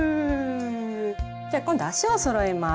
じゃ今度足をそろえます。